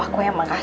ketua orang di atas